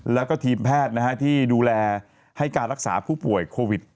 แล้วก็ทีมแพทย์ที่ดูแลให้การรักษาผู้ป่วยโควิด